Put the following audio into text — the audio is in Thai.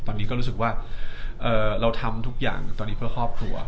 ตอนนี้ก็รู้สึกว่าเราทำทุกอย่างตอนนี้เพื่อครอบครัว